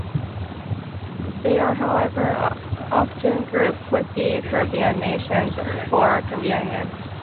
They are, however, often grouped with the Caribbean nations for convenience.